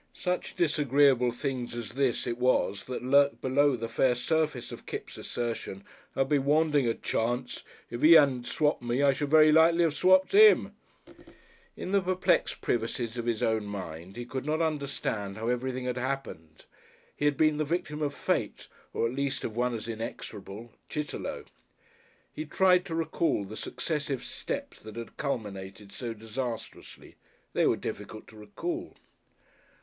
Such disagreeable things as this it was that lurked below the fair surface of Kipps' assertion, "I've been wanting a chance. If 'e 'adn't swapped me, I should very likely 'ave swapped 'im." In the perplexed privacies of his own mind he could not understand how everything had happened. He had been the Victim of Fate, or at least of one as inexorable Chitterlow. He tried to recall the successive steps that had culminated so disastrously. They were difficult to recall....